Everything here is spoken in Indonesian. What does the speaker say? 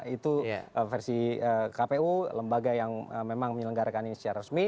itu versi kpu lembaga yang memang menyelenggarakan ini secara resmi